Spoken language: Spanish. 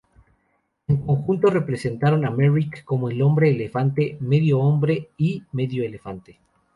En conjunto, presentaron a Merrick como "El Hombre Elefante, medio hombre y medio elefante".